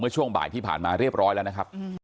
ช่วงบ่ายที่ผ่านมาเรียบร้อยแล้วนะครับ